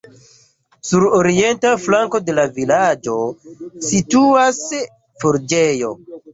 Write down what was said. Sur orienta flanko de la vilaĝo situas forĝejo.